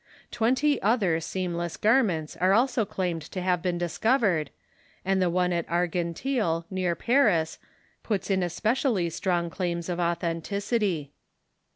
Twenty other seamless garments are also claimed to have been discovered, and the one at Argenteuil, near Paris, puts in especially strong claims of authenticity.